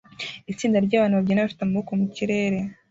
Itsinda ryabantu babyina bafite amaboko mukirere